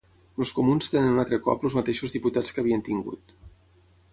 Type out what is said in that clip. Els comuns tenen un altre cop els mateixos diputats que havien tingut